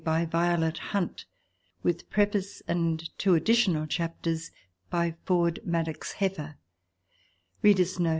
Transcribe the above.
BY VIOLET HUNT . WITH PREFACE AND TWO ADDITIONAL CHAPTERS BY FORD MADOX HUEFFER ^^^^^ LONDON